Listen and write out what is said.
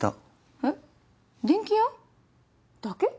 えっ電気屋？だけ？